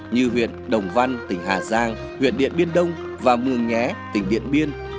như huyện đồng văn tỉnh hà giang huyện điện biên đông và mường nhé tỉnh điện biên